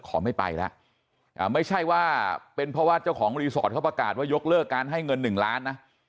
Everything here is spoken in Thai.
ขอไม่ไปแล้วไม่ใช่ว่าเป็นเพราะว่าเจ้าของรีสอร์ทเขาประกาศว่ายกเลิกการให้เงิน๑ล้านนะ